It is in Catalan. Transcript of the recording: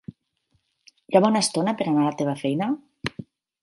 Hi ha bona estona per anar a la teva feina?